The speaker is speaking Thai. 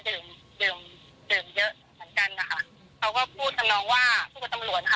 ดื่มเต็มเยอะเหมือนกันนะคะเราก็พูดกับน้องว่าพวกตำรวจ